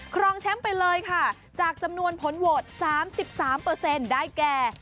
ครองแชมป์ไปเลยค่ะจากจำนวนผลโหวต๓๓ได้แก่